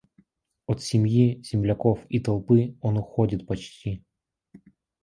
От семьи, земляков и толпы он уходит почти.